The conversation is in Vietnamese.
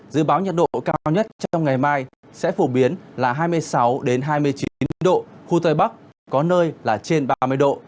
dự báo nhiệt độ cao nhất trong ngày mai sẽ phổ biến là hai mươi sáu hai mươi chín độ khu tây bắc có nơi là trên ba mươi độ